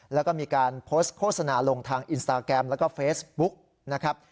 แล้วก็มีการโพสต์โฆษณาลงทางอินสตาแกรมแล้วก็เฟซบุ๊กนะครับ